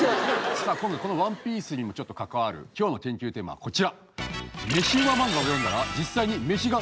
この「ＯＮＥＰＩＥＣＥ」にもちょっと関わる今日の研究テーマはこちら！